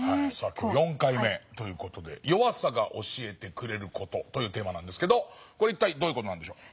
今日は４回目という事で「弱さが教えてくれること」というテーマなんですけど一体どういう事なんでしょう。